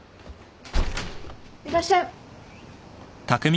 ・いらっしゃい。